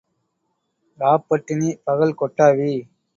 இராப் பட்டினி, பகல் கொட்டாவி.